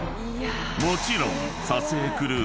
［もちろん］